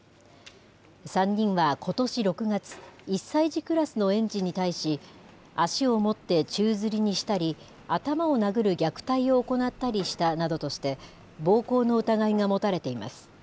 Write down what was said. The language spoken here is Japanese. ３人はことし６月、１歳児クラスの園児に対し、足を持って宙づりにしたり、頭を殴る虐待を行ったりしたなどとして、暴行の疑いが持たれています。